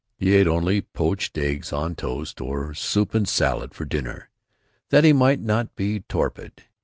He ate only poached eggs on toast or soup and salad for dinner, that he might not be torpid.